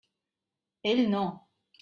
Ell no.